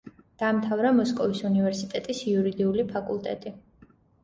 დაამთავრა მოსკოვის უნივერსიტეტის იურიდიული ფაკულტეტი.